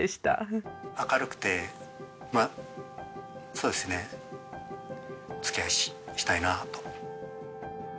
明るくてそうですねお付き合いしたいなと。